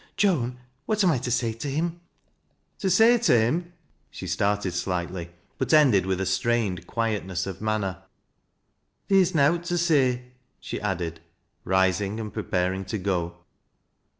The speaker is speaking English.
Joan, what am I to say to him?" « To say to him I " She started slightly, but ended with a strained quiet aess of manner. " Theer's nowt to say," she added, rising, and prepar mg to go.